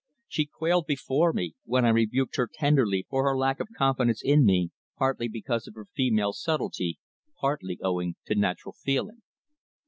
She quailed before me when I rebuked her tenderly for her lack of confidence in me, partly because of her female subtlety, partly owing to natural feeling.